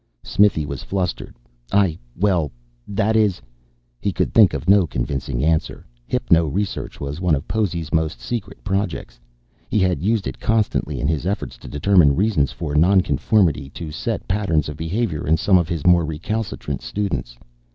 Smithy was flustered. "I well, that is " He could think of no convincing answer. Hypno research was one of Possy's most secret projects. He had used it constantly in his efforts to determine reasons for non conformity to set patterns of behavior in some of his more recalcitrant students.